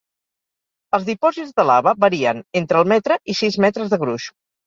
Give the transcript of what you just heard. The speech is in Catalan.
Els dipòsits de lava varien entre el metre i sis metres de gruix.